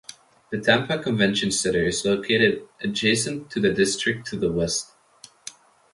The Tampa Convention Center is located adjacent to the district to the west.